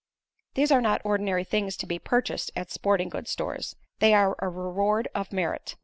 These are not ordinary things to be purchased at sporting goods stores; they are a reward of merit.